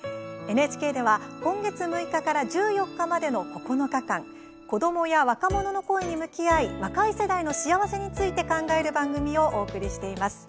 ＮＨＫでは今月６日から１４日までの９日間子どもや若者の声に向き合い若い世代の幸せについて考える番組をお送りしています。